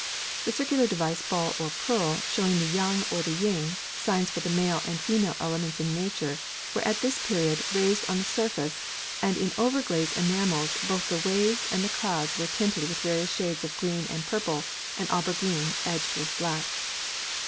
The circular device ball or pearl showing the Yang and the Yin, signs for the male and the female elements in nature, were at this period raised on the surface, and in over glaze enamels both the waves and the clouds were tinted with various shades of green and purple and aubergine edged with black.